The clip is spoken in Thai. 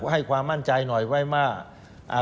ให้ความมั่นใจหน่อยไว้ว่า